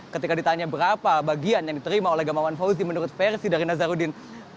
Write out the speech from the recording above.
ketika ditanya berapa bagian yang diterima oleh gamawan fauzi menurut versi dari nazarudin